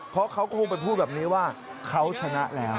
เพราะเขาคงไปพูดแบบนี้ว่าเขาชนะแล้ว